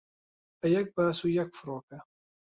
بە یەک باس و یەک فڕۆکە